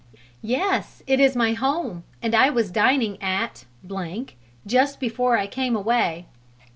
"Yes, it is my home: and I was dining at just before I came away."